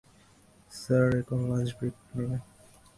Sir এখন lunch break নেবেন।